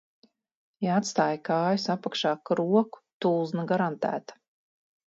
"Ja atstāja kājas apakšā "kroku", tulzna garantēta."